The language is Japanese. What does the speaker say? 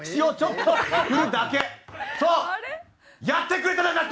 やってくれたな！